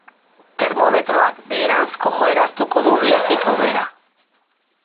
Termometroak beheranzko joera hartuko du bihartik aurrera.